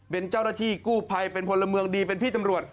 เป็นเจ้าหน้าที่กู้ภัยเป็นพลเมืองดีเป็นพี่ตำรวจ